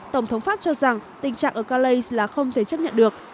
tổng thống pháp cho rằng tình trạng ở kalley là không thể chấp nhận được